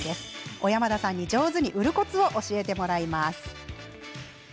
小山田さんに上手に売るコツを教えてもらいます。